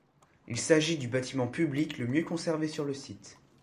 Il s'agit du bâtiment public le mieux conservé sur le site.